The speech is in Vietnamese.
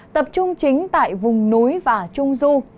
tập trung chính tại vùng núi và trung du